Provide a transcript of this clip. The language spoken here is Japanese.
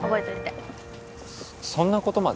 そそんなことまで？